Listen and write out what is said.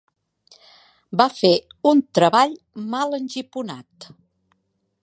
Va fer un treball mal engiponat.